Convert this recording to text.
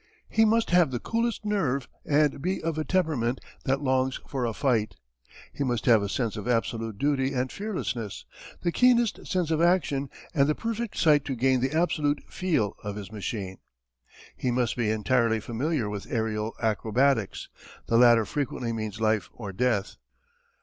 He must have the coolest nerve and be of a temperament that longs for a fight. He must have a sense of absolute duty and fearlessness, the keenest sense of action, and perfect sight to gain the absolute "feel" of his machine. He must be entirely familiar with aërial acrobatics. The latter frequently means life or death.